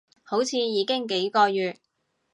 好似已經幾個月